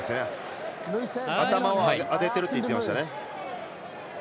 頭を当ててるといっていましたね。